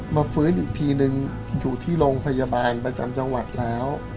มาฟื้นอีกทีนึงอยู่ที่โรงพยาบาลประจำจังหวัดแล้ว